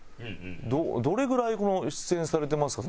どれぐらい出演されてますか？